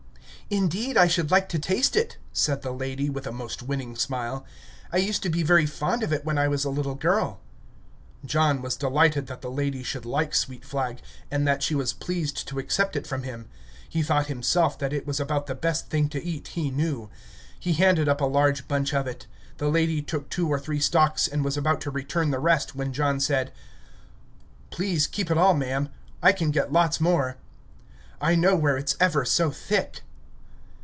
"Indeed, I should like to taste it," said the lady, with a most winning smile. "I used to be very fond of it when I was a little girl." John was delighted that the lady should like sweet flag, and that she was pleased to accept it from him. He thought himself that it was about the best thing to eat he knew. He handed up a large bunch of it. The lady took two or three stalks, and was about to return the rest, when John said: "Please keep it all, ma'am. I can get lots more." "I know where it's ever so thick."